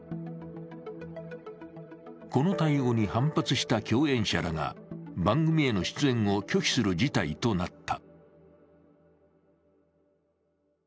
この対応に反発した共演者らが番組への出演を拒否する事態となった。